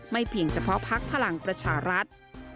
ไม่เพียงเฉพาะภักร์ภลังประชารัฐ